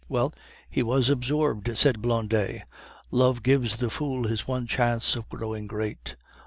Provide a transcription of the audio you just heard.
"Well, he was absorbed," said Blondet. "Love gives the fool his one chance of growing great."